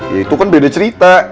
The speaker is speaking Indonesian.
ya itu kan beda cerita